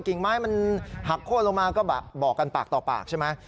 กิ่งไม้มันหักโค้นลงมาก็บอกกันปากต่อปากใช่ไหม